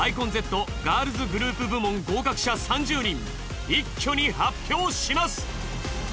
ガールズグループ部門合格者３０人一挙に発表します！